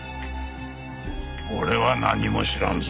俺は何も知らんぞ。